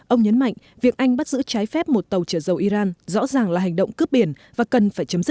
ông nhấn mạnh việc anh bắt giữ trái phép một tàu trở dầu iran rõ ràng là hành động cướp biển